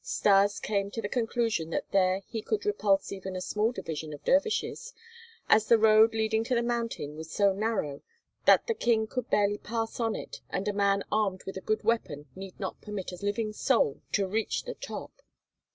Stas came to the conclusion that there he could repulse even a small division of dervishes, as the road leading to the mountain was so narrow that the King could barely pass on it and a man armed with a good weapon need not permit a living soul to reach the top.